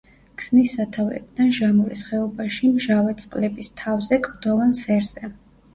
ქსნის სათავეებთან, ჟამურის ხეობაში მჟავე წყლების თავზე, კლდოვან სერზე.